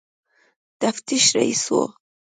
تفتیش رییس وو.